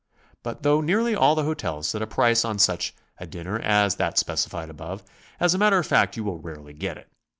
But, though nearly all the hotels set a price on such a dinner as that specified above, as a matter of fact you will rarely get it.